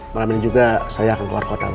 malam ini juga saya akan keluar kota